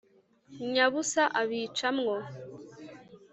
nyabusa abica mwo